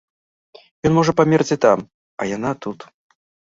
Ён можа памерці там, а яна тут.